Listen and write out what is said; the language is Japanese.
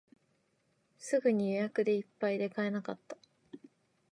すぐに予約でいっぱいで買えなかった